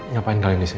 ngapain kalian disini